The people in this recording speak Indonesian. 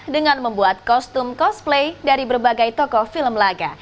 dengan membuat kostum cosplay dari berbagai toko film laga